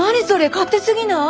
勝手すぎない？